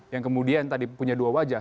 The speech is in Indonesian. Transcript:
yang kemudian tadi punya dua wajah